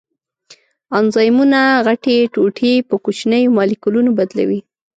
انزایمونه غټې ټوټې په کوچنیو مالیکولونو بدلوي.